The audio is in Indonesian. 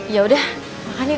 ya udah makan yuk